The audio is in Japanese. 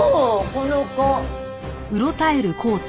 この子。